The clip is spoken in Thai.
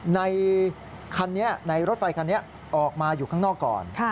ในคันนี้ในรถไฟคันนี้ออกมาอยู่ข้างนอกก่อน